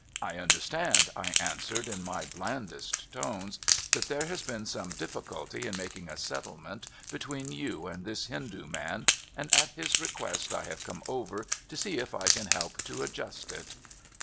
*'I understand," I answered in my blandest tones, " that there has been some difficulty in mak incr a settlement between vou and this Hindoo man, and at his request I have come over to see if I can help to adjust it."